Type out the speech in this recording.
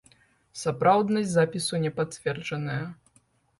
Сапраўднасць запісу не пацверджаная.